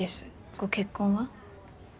ご結婚は？